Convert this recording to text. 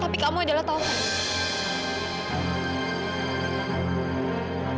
tapi kamu adalah taufan